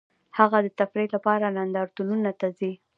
هغه د تفریح لپاره نندارتونونو ته ځي